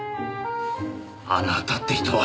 あなたって人は！